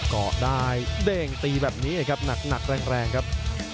เกาะได้เด้งตีแบบนี้ครับหนักแรงครับ